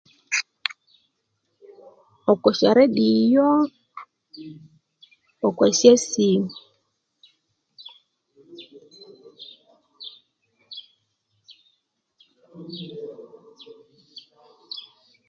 Okusyarediyo nokwa syasimu